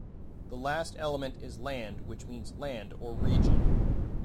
The last element is "land" which means "land" or "region".